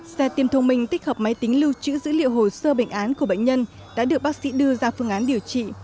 xe tiêm thông minh tích hợp máy tính lưu trữ dữ liệu hồ sơ bệnh án của bệnh nhân đã được bác sĩ đưa ra phương án điều trị